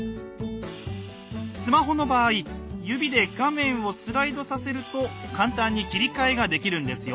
スマホの場合指で画面をスライドさせると簡単に切り替えができるんですよ。